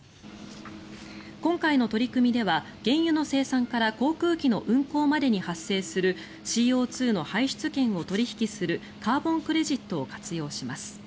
今回の取り組みでは原油の生産から航空機の運航までに発生するＣＯ２の排出権を取引するカーボンクレジットを活用します。